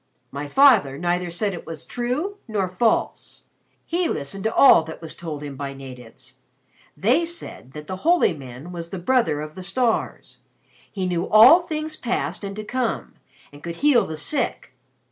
My father neither said it was true nor false. He listened to all that was told him by natives. They said that the holy man was the brother of the stars. He knew all things past and to come, and could heal the sick.